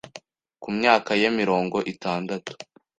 ku myaka ye mirongo itandatu